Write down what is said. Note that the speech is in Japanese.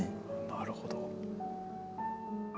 なるほど。